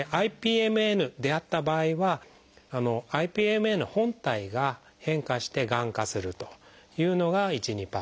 ＩＰＭＮであった場合はＩＰＭＮ本体が変化してがん化するというのが１２％。